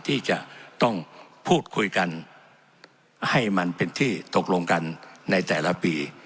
ที่จะต้องพูดคุยกันให้มันเป็นที่ตกลงกันในแต่ละปี